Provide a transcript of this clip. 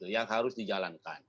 yang harus dijalankan